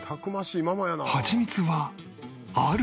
ハチミツはある！